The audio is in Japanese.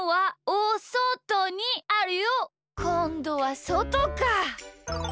こんどはそとか。